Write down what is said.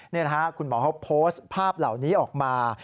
นี่นะฮะคุณหมอเขาโพสต์ภาพเหล่านี้ออกมา